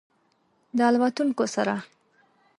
د الوتونکو سره